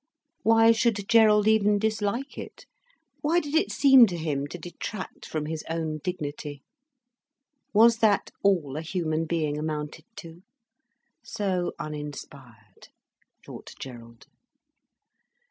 Why should Gerald even dislike it, why did it seem to him to detract from his own dignity. Was that all a human being amounted to? So uninspired! thought Gerald.